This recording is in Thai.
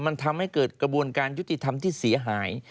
มันทำให้เกิดกระบวนการยุติธรรมที่เสียหาย